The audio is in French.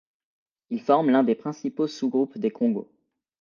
Ils forment l'un des principaux sous-groupes des Kongos.